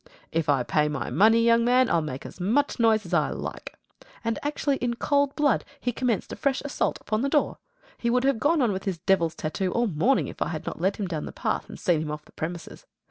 "If I pay my money, young man, I'll make such noise as I like." And actually in cold blood he commenced a fresh assault upon the door. He would have gone on with his devil's tattoo all morning if I had not led him down the path and seen him off the premises.